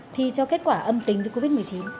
thì cho kết quả âm tính với covid một mươi chín